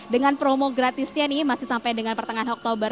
dengan promo gratisnya ini masih sampai dengan pertengahan oktober